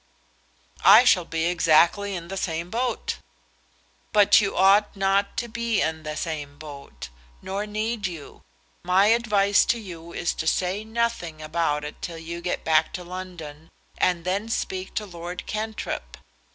"I shall be exactly in the same boat." "But you ought not to be in the same boat; nor need you. My advice to you is to say nothing about it till you get back to London, and then speak to Lord Cantrip.